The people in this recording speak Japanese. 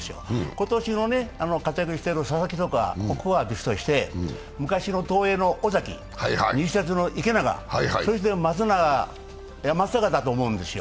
今年の活躍している佐々木とかは別として昔の東映の尾崎、西鉄の池永、そして松坂だと思うんですよ。